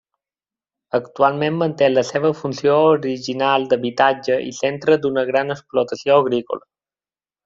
Actualment manté la seva funció original d'habitatge i centre d'una gran explotació agrícola.